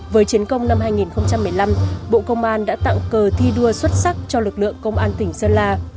với chiến công năm hai nghìn một mươi năm bộ công an đã tặng cờ thi đua xuất sắc cho lực lượng công an tỉnh sơn la